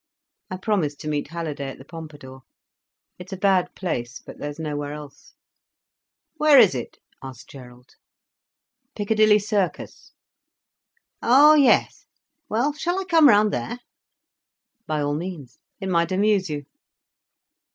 "I promised to meet Halliday at the Pompadour. It's a bad place, but there is nowhere else." "Where is it?" asked Gerald. "Piccadilly Circus." "Oh yes—well, shall I come round there?" "By all means, it might amuse you."